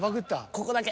ここだけ。